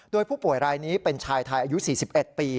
โดยผู้ป่วยรายนี้เป็นชายไทยอายุ๔๑ปี